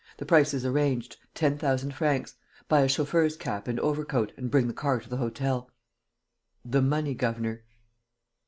The price is arranged: ten thousand francs. Buy a chauffeur's cap and overcoat and bring the car to the hotel." "The money, governor."